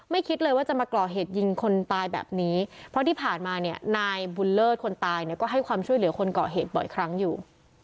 คิดเลยว่าจะมาก่อเหตุยิงคนตายแบบนี้เพราะที่ผ่านมาเนี่ยนายบุญเลิศคนตายเนี่ยก็ให้ความช่วยเหลือคนก่อเหตุบ่อยครั้งอยู่